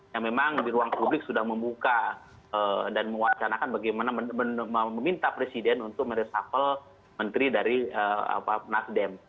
yang memang di ruang publik sudah membuka dan mewacanakan bagaimana meminta presiden untuk meresapel menteri dari nasdem